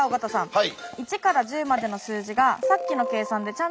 はい。